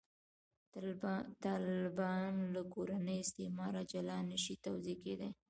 طالبان له «کورني استعماره» جلا نه شي توضیح کېدای.